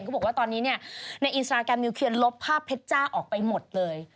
บอกว่าตอนนี้เนี่ยในอินสตราแกรมนิวเทียนลบภาพเพชรจ้าออกไปหมดเลย